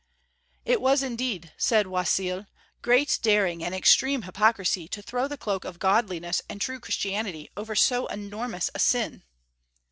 M. "It was indeed," said Oisille, "great daring and extreme hypocrisy to throw the cloak of Godliness and true Christianity over so enormous a sin."